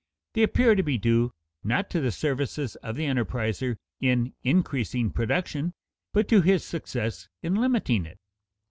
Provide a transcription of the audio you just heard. They appear to be due not to the services of the enterpriser in increasing production, but to his success in limiting it.